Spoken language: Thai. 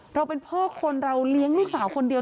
เราเป็นพ่อคนเราเลี้ยงลูกสาวคนเดียว